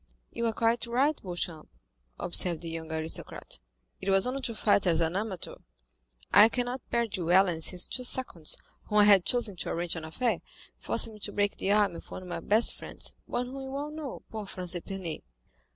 "You are quite right, Beauchamp," observed the young aristocrat. "It was only to fight as an amateur. I cannot bear duelling ever since two seconds, whom I had chosen to arrange an affair, forced me to break the arm of one of my best friends, one whom you all know—poor Franz d'Épinay."